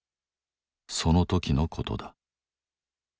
その時のことだ。